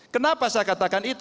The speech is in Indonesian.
karena saya berpengalaman bu